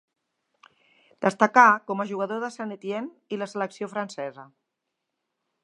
Destacà com a jugador de Saint-Étienne i la selecció francesa.